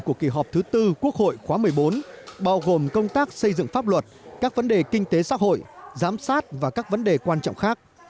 của kỳ họp thứ tư quốc hội khóa một mươi bốn bao gồm công tác xây dựng pháp luật các vấn đề kinh tế xã hội giám sát và các vấn đề quan trọng khác